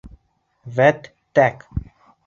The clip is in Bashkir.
Вәт тәк!